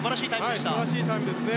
素晴らしいタイムですね。